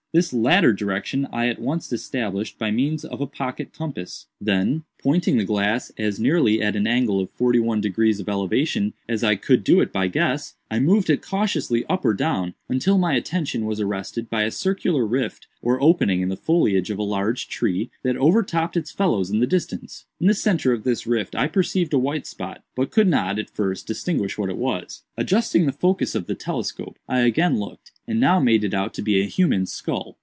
This latter direction I at once established by means of a pocket compass; then, pointing the glass as nearly at an angle of forty one degrees of elevation as I could do it by guess, I moved it cautiously up or down, until my attention was arrested by a circular rift or opening in the foliage of a large tree that overtopped its fellows in the distance. In the centre of this rift I perceived a white spot, but could not, at first, distinguish what it was. Adjusting the focus of the telescope, I again looked, and now made it out to be a human skull.